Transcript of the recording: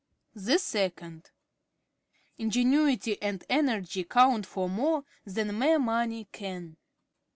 2. Ingenuity and energy count for more than mere money can.